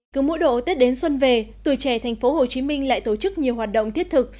cứ mỗi độ tết đến xuân về tuổi trẻ thành phố hồ chí minh lại tổ chức nhiều hoạt động thiết thực